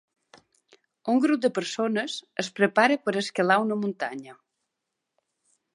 Un grup de persones es prepara per escalar una muntanya.